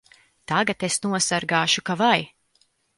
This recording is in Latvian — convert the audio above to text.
Tagad es nosargāšu ka vai!